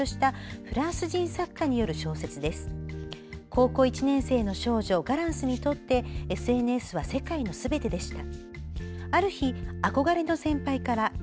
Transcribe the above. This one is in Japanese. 高校生の１年生のガランスにとってＳＮＳは世界のすべてでした。